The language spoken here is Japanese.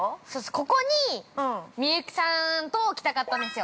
◆ここに、幸さんと来たかったんですよ。